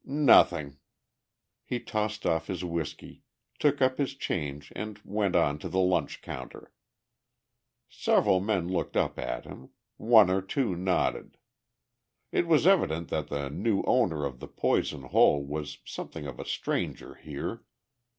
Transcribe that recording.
"Nothing." He tossed off his whiskey, took up his change and went on to the lunch counter. Several men looked up at him; one or two nodded. It was evident that the new owner of the Poison Hole was something of a stranger here.